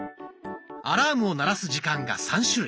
アラームを鳴らす時間が３種類。